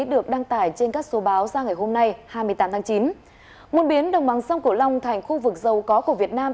đồng bằng sông cổ long thành khu vực giàu có của việt nam